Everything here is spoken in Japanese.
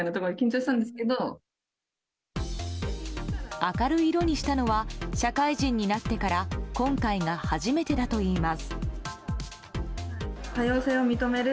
明るい色にしたのは社会人になってから今回が初めてだといいます。